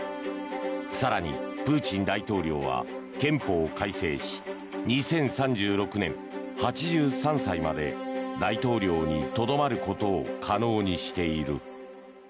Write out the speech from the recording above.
更にプーチン大統領は憲法を改正し２０３６年、８３歳まで大統領にとどまることを可能にしている。